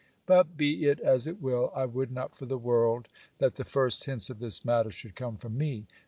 But be it as it will, I would not for the world, that the first hints of this matter should come from me.